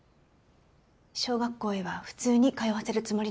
小学校へは普通に通わせるつもりですから。